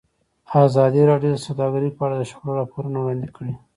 ازادي راډیو د سوداګري په اړه د شخړو راپورونه وړاندې کړي.